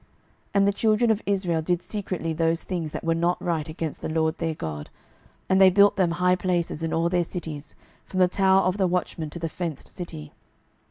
12:017:009 And the children of Israel did secretly those things that were not right against the LORD their God, and they built them high places in all their cities, from the tower of the watchmen to the fenced city.